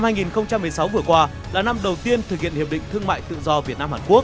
năm hai nghìn một mươi sáu vừa qua là năm đầu tiên thực hiện hiệp định thương mại tự do việt nam hàn quốc